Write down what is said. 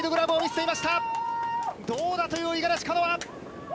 どうだという五十嵐カノア。